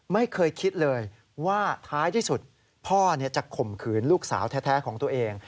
ไม่เคยคิดเลยว่าท้ายที่สุดพ่อจะข่มขืนลูกสาวแท้ของตัวเอง